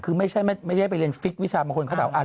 คือไม่ใช่ไปเรียนฟิศวิชาบังคลเขาแบบว่า